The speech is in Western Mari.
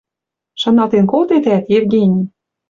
«Шаналтен колтетӓт, Евгений